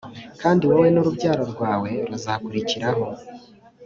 kandi wowe n urubyaro rwawe ruzakurikiraho